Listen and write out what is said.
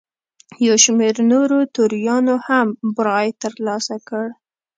یو شمېر نورو توریانو هم برائت ترلاسه کړ.